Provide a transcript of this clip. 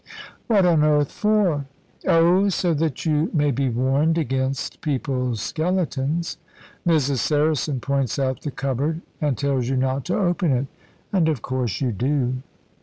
"What on earth for?" "Oh, so that you may be warned against people's skeletons. Mrs. Saracen points out the cupboard and tells you not to open it, and of course you do."